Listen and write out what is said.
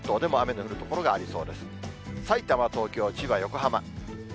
さいたま、東京、千葉、横浜。